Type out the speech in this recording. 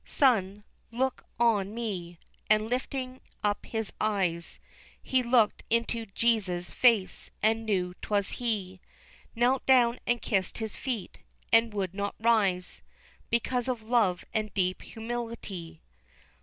"Son, look on me," and lifting up his eyes He looked on Jesu's face, and knew 'twas He, Knelt down and kissed His feet, and would not rise Because of love and deep humility.